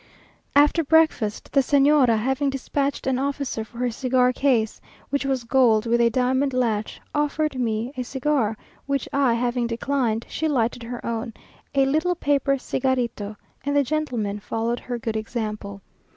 After breakfast, the Señora having despatched an officer for her cigar case, which was gold, with a diamond latch, offered me a cigar, which I having declined, she lighted her own, a little paper "cigarito," and the gentlemen followed her good example.